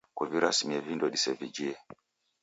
Kuvirasimie vindo disevijhie.